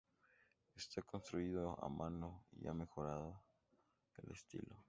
Está construido a mano y ha mejorado el estilo.